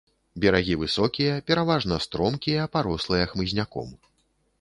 Берагі высокія, пераважна стромкія, парослыя хмызняком.